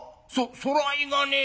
そらいがねえだ。